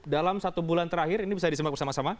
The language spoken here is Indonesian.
dalam satu bulan terakhir ini bisa disemak bersama sama